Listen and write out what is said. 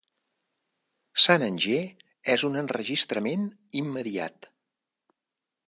"St. Anger" és un enregistrament immediat.